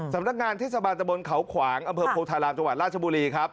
สำนักงานเทศบาลตะบนเขาขวางอำเภอโพธารามจังหวัดราชบุรีครับ